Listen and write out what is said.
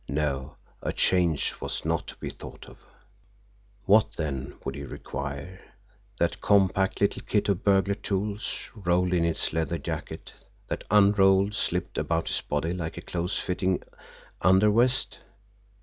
No, a change was not to be thought of. What, then, would he require that compact little kit of burglar tools, rolled in its leather jacket, that, unrolled slipped about his body like a close fitting undervest?